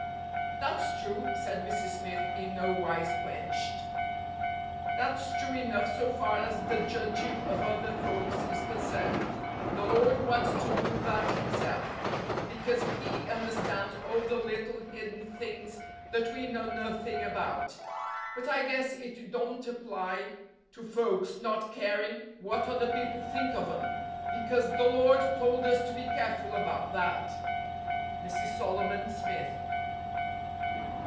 " That's true," said Mrs. Smith, in no wise quenched. That's true enough so far as the judging of other folks is concerned; the Lord wants to do that Himself, because He understands all the little hidden things that we know nothing about; but I guess it don't apply to folks not caring what other people think of 'em, because the Lord told us to be careful about that." Mrs. Solomon Smith.